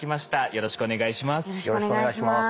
よろしくお願いします。